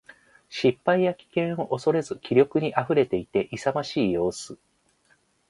失敗や危険を恐れず気力に溢れていて、勇ましい様子。